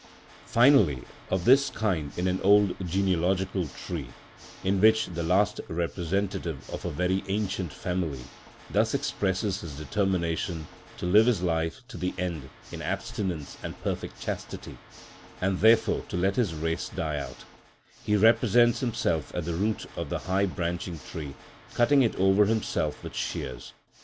Finally, of this kind is an old German genealogical tree, in which the last representative of a very ancient family thus expresses his determination to live his life to the end in abstinence and perfect chastity, and therefore to let his race die out; he represents himself at the root of the high branching tree cutting it over himself with shears.